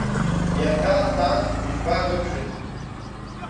Иахьа асааҭ быжьба рыбжазы.